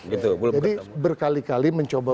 jadi berkali kali mencoba bertemu